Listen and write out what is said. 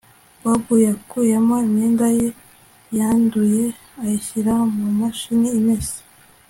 Bobo yakuyemo imyenda ye yanduye ayishyira mu mashini imesa